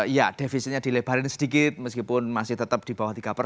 iya defisitnya dilebarin sedikit meskipun masih tetap di bawah tiga persen